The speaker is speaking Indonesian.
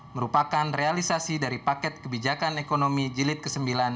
merupakan realisasi dari paket kebijakan ekonomi jilid ke sembilan